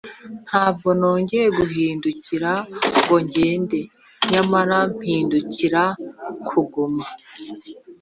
ntabwo nongeye guhindukira ngo ngende nyamara mpindukira kuguma.